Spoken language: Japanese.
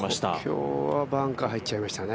今日はバンカー入っちゃいましたね。